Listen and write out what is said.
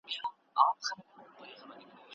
موږ باید د خپلو ځنګلونو ساتنه په پوره ډول وکړو.